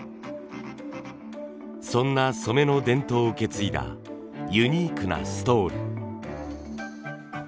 そんな染めの伝統を受け継いだユニークなストール。